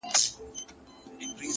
د غم شپيلۍ راپسي مه ږغـوه _